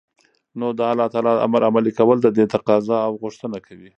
نو دالله تعالى امر عملي كول ددې تقاضا او غوښتنه كوي